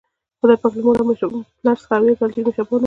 خدای پاک له مور او پلار څخه اویا ځلې ډیر مهربان ده